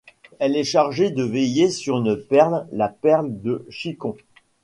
Elle est chargée de veiller sur une perle, la perle de Shikon.